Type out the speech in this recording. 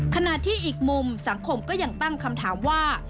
ขณะที่อีกมุมสังคมก็ยังตั้งคำถามว่า